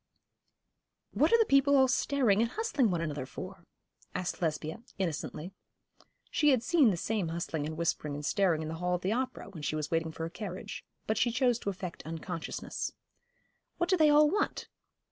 'What are the people all staring and hustling one another for?' asked Lesbia, innocently. She had seen the same hustling and whispering and staring in the hall at the opera, when she was waiting for her carriage; but she chose to affect unconsciousness. 'What do they all want?'